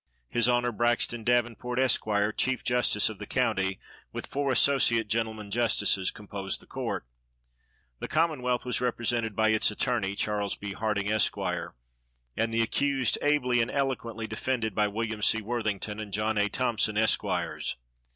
His Honor, Braxton Davenport, Esq., chief justice of the county, with four associate gentlemen justices, composed the court. The commonwealth was represented by its attorney, Charles B. Harding, Esq., and the accused ably and eloquently defended by Wm. C. Worthington and John A. Thompson, Esqs.